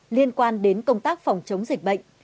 liên quan đến công tác phòng chống dịch bệnh